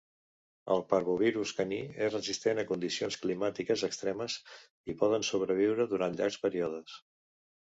El parvovirus caní és resistent a condicions climàtiques extremes i poden sobreviure durant llargs períodes.